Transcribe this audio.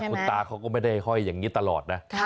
คุณตาเขาก็ไม่ได้ห้อยอย่างนี้ตลอดนะ